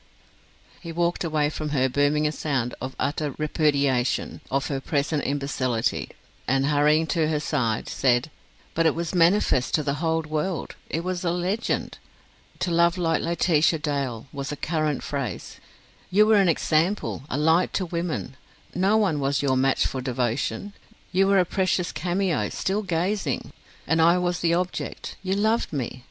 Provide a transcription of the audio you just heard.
he walked away from her booming a sound of utter repudiation of her present imbecility, and hurrying to her side, said: "But it was manifest to the whole world! It was a legend. To love like Laetitia Dale, was a current phrase. You were an example, a light to women: no one was your match for devotion. You were a precious cameo, still gazing! And I was the object. You loved me.